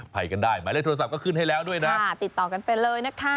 ไปกันได้หมายเลขโทรศัพท์ก็ขึ้นให้แล้วด้วยนะติดต่อกันไปเลยนะคะ